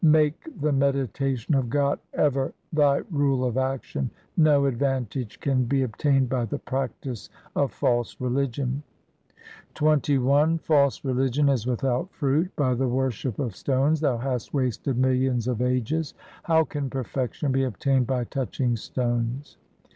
Make the meditation of God ever thy rule of action ; no advantage can be obtained by the practice of false religion. XXI False religion is without fruit ; by the worship of stones thou hast wasted millions of ages. How can perfection be obtained by touching stones